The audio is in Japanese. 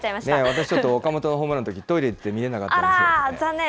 私ちょっと、岡本のホームランのとき、トイレ行って見れなかあらー、残念。